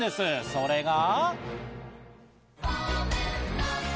それが。